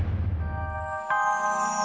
apakah pensando pakai hak anda